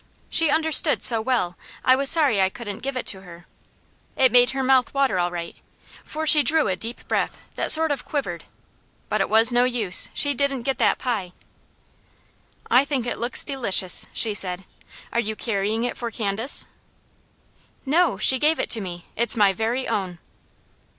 She understood so well, I was sorry I couldn't give it to her. It made her mouth water all right, for she drew a deep breath that sort of quivered; but it was no use, she didn't get that pie. "I think it looks delicious," she said. "Are you carrying it for Candace?" "No! She gave it to me. It's my very own."